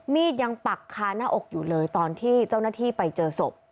มีดยังปักคาหน้าอกอยู่เลยตอนที่เจ้าหน้าที่ไปเจอศพ